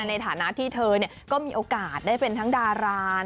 ในฐานะที่เธอก็มีโอกาสได้เป็นทั้งดารา